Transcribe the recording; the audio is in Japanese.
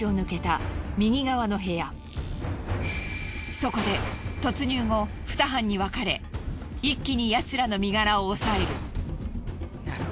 そこで突入後ふた班に分かれ一気にヤツらの身柄を押さえる。